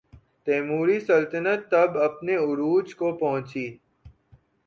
تیموری سلطنت تب اپنے عروج کو پہنچی۔